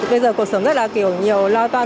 bây giờ cuộc sống rất là kiểu nhiều lo toan